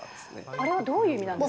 あれはどういう意味なんです